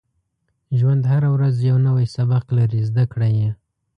• ژوند هره ورځ یو نوی سبق لري، زده کړه یې.